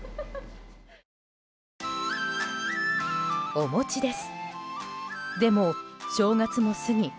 お餅です。